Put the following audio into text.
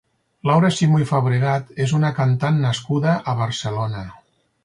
Laura Simó i Fabregat és una cantant nascuda a Barcelona.